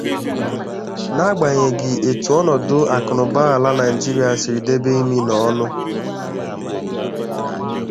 n'agbanyeghị etu ọnọdụ akụnụba ala Nigeria siri debe imi na ọnụ